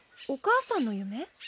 お母さんの夢？